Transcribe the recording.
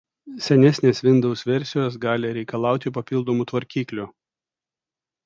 Senesnės Windows versijos gali reikalauti papildomų tvarkyklių.